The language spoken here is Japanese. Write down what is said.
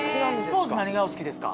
スポーツ何がお好きですか？